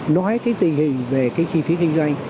nói cái tình hình về cái chi phí kinh doanh